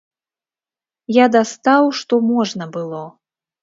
Я дастаў што можна было.